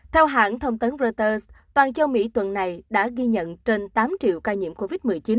theo hãng thông tấn reuters toàn châu mỹ tuần này đã ghi nhận trên tám triệu ca nhiễm covid một mươi chín